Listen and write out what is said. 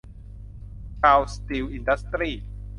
เชาว์ สตีล อินดัสทรี้